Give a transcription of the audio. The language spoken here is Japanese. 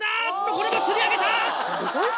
これも釣り上げた！